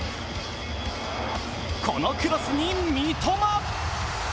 このクロスに三笘。